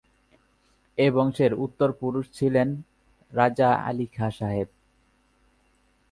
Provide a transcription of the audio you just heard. এ বংশের উত্তর পুরুষ ছিলেন রাজা আলী খাঁ সাহেব।